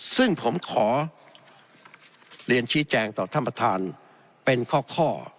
ซึ่งผมขอเรียนชี้แจงต่อท่านประธานเป็นข้อ